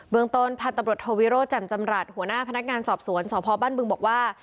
เมืองต้นพันธุ์ตำรวจโทวิโรธแจ่มจำรัฐหัวหน้าพนักงานสอบสวนสพบ้านบึงบอกว่า